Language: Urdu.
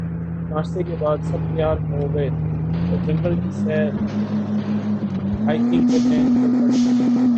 ناشتے کے بعد سب تیار ہو گئے اور جنگل کی سیر ہائیکنگ کرنے نکل پڑے